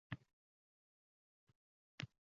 Sen ota-onangni umrbod taʼminlashga majbursan.